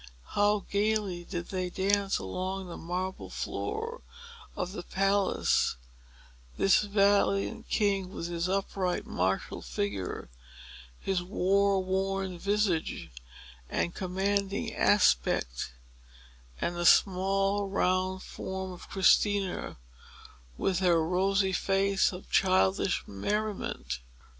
How gayly did they dance along the marble floor of the palace, this valiant king, with his upright, martial figure, his warworn visage, and commanding aspect, and the small, round form of Christina, with her rosy face of childish merriment!